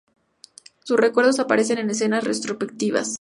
Sus recuerdos aparecen en escenas retrospectivas.